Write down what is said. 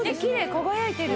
輝いてる。